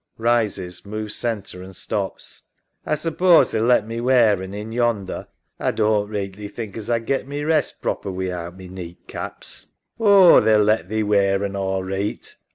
(Rises, moves centre and stops) A suppose they'll let me wear un in yonder. A doan't reeghtly think as A'd get my rest proper wi'out my neeghtcaps. EMMA. Oh, they'll let thee wear un all reeght.